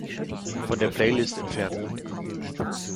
Von der Playlist entfernen.